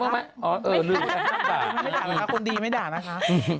คนดีไม่ด่านะคะ